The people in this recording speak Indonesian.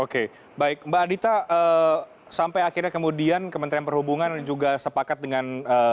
oke baik mbak adita sampai akhirnya kemudian kementerian perhubungan juga sepakat dengan